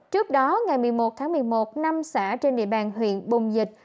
trước đó ngày một mươi một tháng một mươi một năm xã trên địa bàn huyện bùng dịch